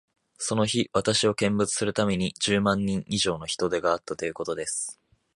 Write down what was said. その日、私を見物するために、十万人以上の人出があったということです。